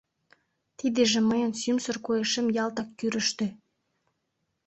Тидыже мыйын сӱмсыр койышем ялтак кӱрыштӧ...